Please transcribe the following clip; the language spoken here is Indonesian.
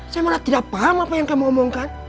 saya malah tidak paham apa yang kamu omongkan